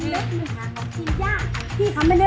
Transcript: พี่มาบอกว่าพี่คนนี้ไหร่มาพูดอย่างนี้แหล่ะ